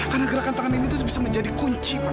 karena gerakan tangan ini itu bisa menjadi kunci pak